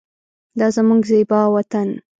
دا زمونږ زیبا وطن